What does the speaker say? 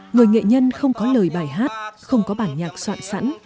người nghệ nhân không có lời bài hát không có bản nhạc soạn sẵn